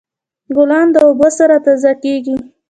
ګلان د اوبو سره تازه کیږي.